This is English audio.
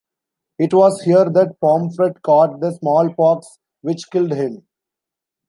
It was here that Pomfret caught the smallpox which killed him.